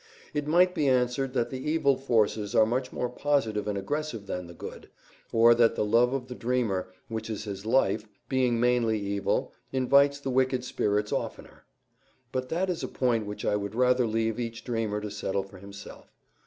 It might be answered that the evil forces are much more positive and aggressive than the good; or that the love of the dreamer, which is his life, being mainly evil, invites the wicked spirits oftener. But that is a point which I would rather leave each dreamer to settle for himself.